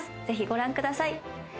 ぜひご覧ください。